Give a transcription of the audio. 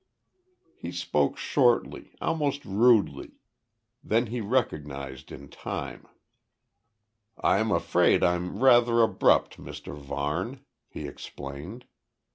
He spoke shortly almost rudely. This he recognised in time. "I'm afraid I'm rather abrupt, Mr Varne," he explained.